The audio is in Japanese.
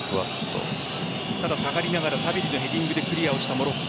ただ下がりながらヘディングでクリアをしたモロッコ。